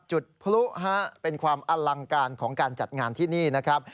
จุดพลุเป็นความอลังการของการจัดงานที่นี่นะครับ